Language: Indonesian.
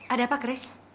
ada apa chris